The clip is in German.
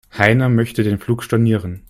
Heiner möchte den Flug stornieren.